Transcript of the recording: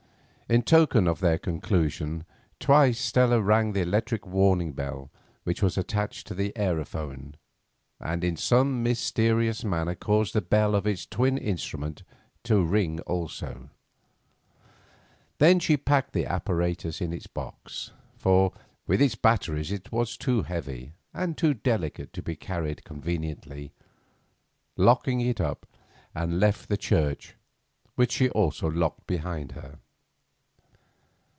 In token of their conclusion twice Stella rang the electric warning bell which was attached to the aerophone, and in some mysterious manner caused the bell of its twin instrument to ring also. Then she packed the apparatus in its box, for, with its batteries, it was too heavy and too delicate to be carried conveniently, locking it up, and left the church, which she also locked behind her.